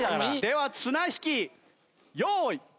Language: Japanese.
では綱引き用意。